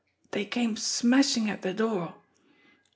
Dey came smashin' at de door.